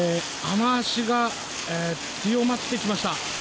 雨脚が強まってきました。